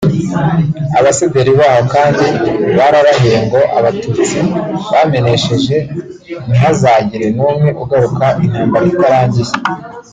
Abasederi baho kandi bararahiye ngo Abatutsi bamenesheje ntihazagire n’umwe ugaruka intambara itarangiye